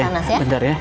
iya iya bentar ya